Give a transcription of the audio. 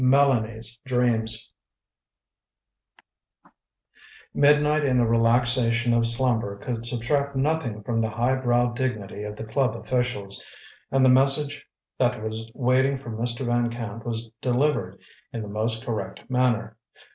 MELANIE'S DREAMS Midnight and the relaxation of slumber could subtract nothing from the high browed dignity of the club officials, and the message that was waiting for Mr. Van Camp was delivered in the most correct manner.